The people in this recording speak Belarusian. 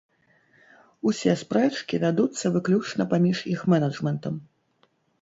Усе спрэчкі вядуцца выключна паміж іх менэджмэнтам.